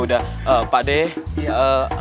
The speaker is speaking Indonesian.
ya udah pak dek